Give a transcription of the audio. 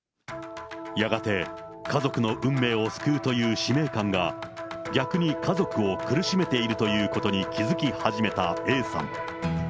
やがて家族の運命を救うという使命感が、逆に家族を苦しめているということに気付き始めたＡさん。